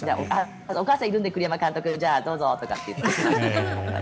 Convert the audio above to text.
お母さんいるんで、栗山監督じゃあ、どうぞとかって言って。